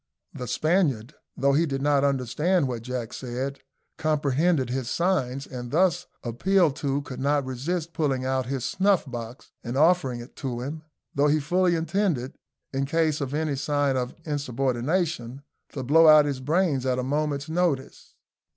The Spaniard, though he did not understand what Jack said, comprehended his signs; and, thus appealed to, could not resist pulling out his snuff box and offering it to him, though he fully intended, in case of any sign of insubordination, to blow out his brains at a moment's notice.